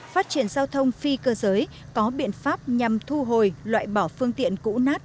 phát triển giao thông phi cơ giới có biện pháp nhằm thu hồi loại bỏ phương tiện cũ nát